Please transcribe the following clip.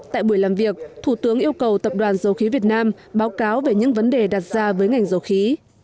tại buổi làm việc thủ tướng yêu cầu tập đoàn dầu khí việt nam báo cáo về những vấn đề đặt ra với ngành dầu khí